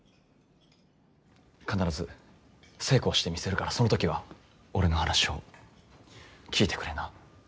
必ず成功してみせるからその時は俺の話を聞いてくれな。